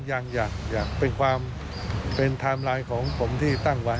ยังอยากเป็นความเป็นไทม์ไลน์ของผมที่ตั้งไว้